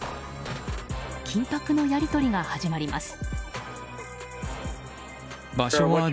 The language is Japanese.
緊迫のやり取りが始まります。